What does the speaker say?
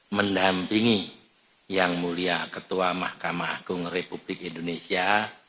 mendampingi yang mulia ketua mahkamah agung republik indonesia